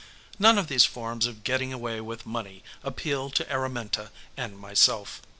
None of these forms of getting away with money appeal to Araminta and myself.